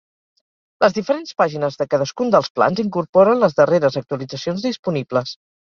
Les diferents pàgines de cadascun dels plans incorporen les darreres actualitzacions disponibles.